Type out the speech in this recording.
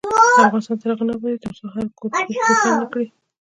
افغانستان تر هغو نه ابادیږي، ترڅو هر کور ګروپ روښانه نکړي.